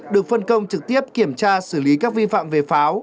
được phân công trực tiếp kiểm tra xử lý các vi phạm về pháo